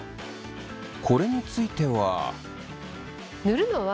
これについては？